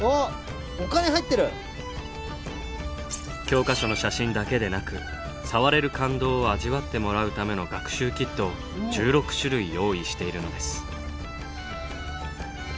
教科書の写真だけでなく触れる感動を味わってもらうための学習キットを１６種類用意しているのです。